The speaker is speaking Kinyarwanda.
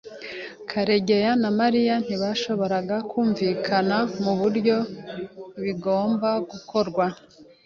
Karegeya na Mariya ntibashoboraga kumvikana kuburyo bigomba gukorwa.